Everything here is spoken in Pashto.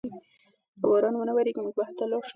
که باران و نه وریږي موږ به هلته لاړ شو.